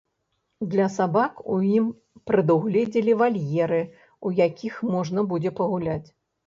Для сабак у ім прадугледзелі вальеры, у якіх можна будзе пагуляць.